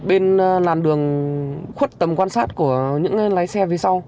bên làn đường khuất tầm quan sát của những lái xe phía sau